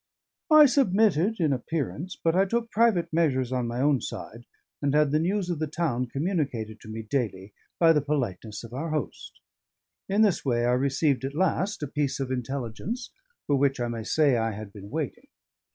I submitted in appearance; but I took private measures on my own side, and had the news of the town communicated to me daily by the politeness of our host. In this way I received at last a piece of intelligence for which, I may say, I had been waiting.